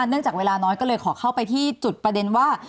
เนื่องจากเวลาน้อยก็เลยขอเข้าไปที่จุดประเด็นว่า